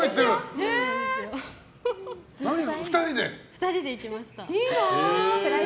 ２人で行きました。